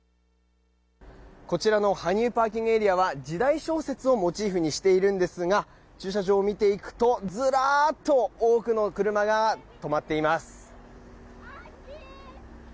こちらの羽生ＰＡは時代小説をモチーフにしているんですが駐車場を見ていくと、ずらっと多くの車が止まっています。